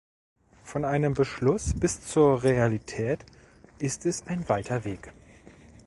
Von einem Beschluss bis zur Realität ist es ein weiter Weg.